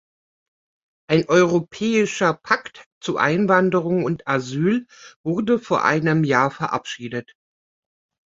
Ein Europäischer Pakt zu Einwanderung und Asyl wurde vor einem Jahr verabschiedet.